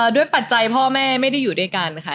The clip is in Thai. ปัจจัยพ่อแม่ไม่ได้อยู่ด้วยกันค่ะ